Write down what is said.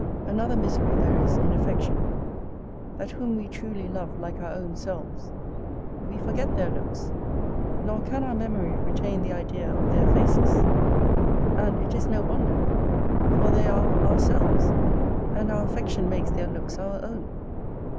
Another misery there is in affection; that whom we truly love like our own selves, we forget their looks, nor can our memory retain the idea of their faces: and it is no wonder, for they are ourselves, and our affection makes their looks our own.